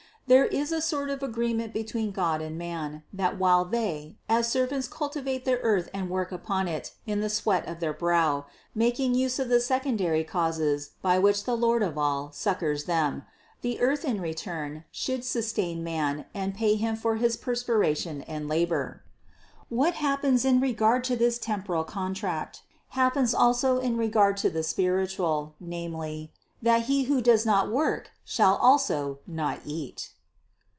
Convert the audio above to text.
There is a THE CONCEPTION 593 sort of agreement between God and man, that while they, as servants cultivate the earth and work upon it in the sweat of their brow, making use of the secondary causes by which the Lord of all succors them, the earth in return should sustain man and pay him for his per spiration and labor. What happens in regard to this temporal contract, happens also in regard to the spiritual, namely, that he who does not work shall also not eat.